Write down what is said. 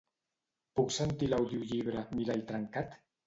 Puc sentir l'audiollibre "Mirall trencat"?